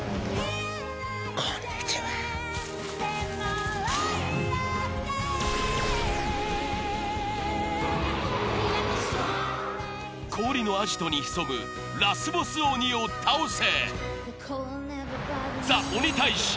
こんにちは氷のアジトに潜むラスボス鬼を倒せ！